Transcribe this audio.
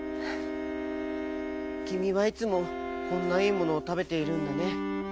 「きみはいつもこんないいものをたべているんだね。